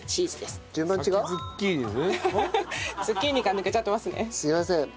すいません。